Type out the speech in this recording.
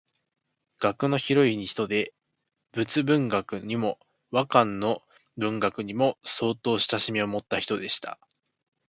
学の広い人で仏文学にも和漢の文学にも相当親しみをもった人でした